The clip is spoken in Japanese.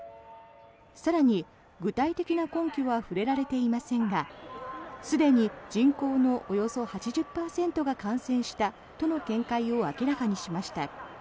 更に、具体的な根拠は触れられていませんがすでに人口のおよそ８０％が感染したとの見解を明らかにしました。